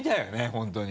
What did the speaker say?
本当に。